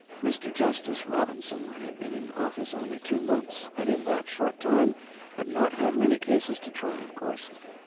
Mr. Justice Robinson had been in office only two months, and in that short time had not had many cases to try, of course.